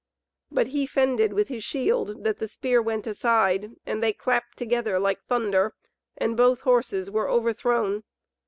But he fended with his shield that the spear went aside, and they clapped together like thunder, and both horses were overthrown.